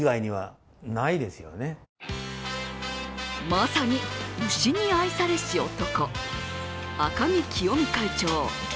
まさに牛に愛されし男、赤木清美会長。